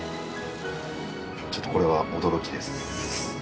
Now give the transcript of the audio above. ちょっとこれは驚きです。